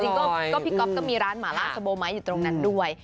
จริงก็พี่ก๊อฟก็มีร้านหมาล่าสโบไมค์อยู่ตรงนั้นด้วย